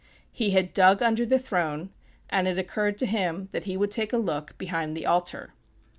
He had dug under the throne, and it occurred to him that he would take a look behind the altar.